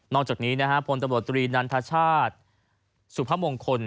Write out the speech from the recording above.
นอกจากนี้ผลตำรวจตรีนันทชาติสุพมงคล